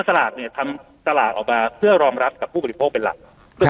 สลากเนี่ยทำสลากออกมาเพื่อรองรับกับผู้บริโภคเป็นหลัก